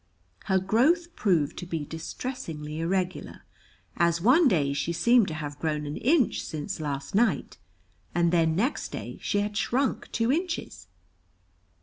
Her growth proved to be distressingly irregular, as one day she seemed to have grown an inch since last night, and then next day she had shrunk two inches.